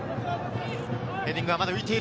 ヘディングはまだ浮いている。